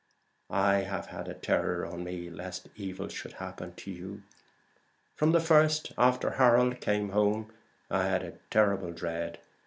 I have had a terror on me lest evil should happen to you. From the first, after Harold came home, I had a terrible dread.